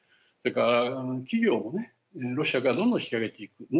それから企業もロシアからどんどん引き揚げていく。